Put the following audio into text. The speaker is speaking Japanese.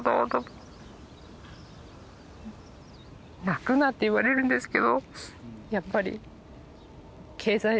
泣くな」って言われるんですけどやっぱり。